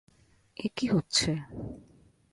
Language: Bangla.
এ কী হচ্ছে?